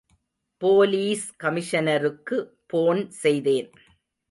Police கமிஷனருக்கு phone செய்தேன்.